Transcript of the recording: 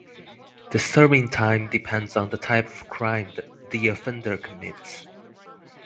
The serving time depends on the type of crime the offender commits.